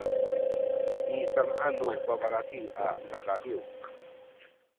nisanga’an nu babalaki a sadadiw